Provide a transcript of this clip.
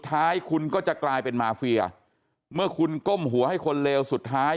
ท้ายคุณก็จะกลายเป็นมาเฟียเมื่อคุณก้มหัวให้คนเลวสุดท้าย